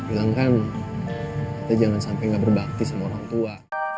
bilang kan kita jangan sampai nggak berbakti sama orang tua